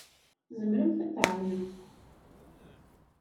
Tzemremt ad d-tɛawnemt.